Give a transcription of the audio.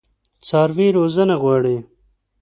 څاروي روزنه غواړي.